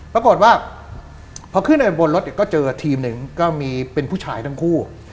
ปรากฏว่าพอขึ้นไปบนรถเนี่ยก็เจอทีมหนึ่งก็มีเป็นผู้ชายทั้งคู่